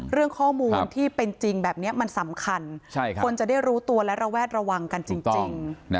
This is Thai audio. เรื่องข้อมูลที่เป็นจริงแบบนี้มันสำคัญคนจะได้รู้ตัวและระแวดระวังกันจริง